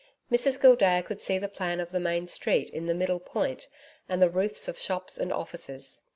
Mrs Gildea could see the plan of the main street in the Middle Point and the roofs of shops and offices.